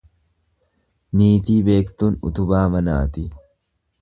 Niitii beektuun utubaa manaati.